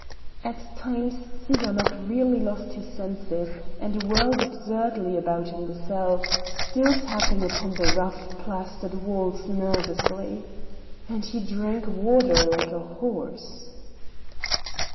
At times Tsiganok really lost his senses and whirled absurdly about in the cell, still tapping upon the rough, plastered walls nervously. And he drank water like a horse.